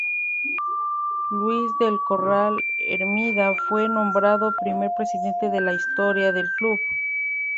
Luis del Corral Hermida fue nombrado primer presidente de la historia del club.